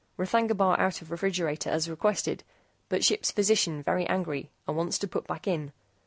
R'THAGNA BAR OUT OF REFRIGERATOR AS REQUESTED BUT SHIPS PHYSICIAN VERY ANGRY AND WANTS TO PUT BACK IN.